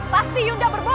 pasti yunda berbohong